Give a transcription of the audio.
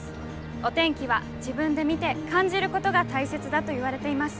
お天気は自分で見て感じることが大切だといわれています。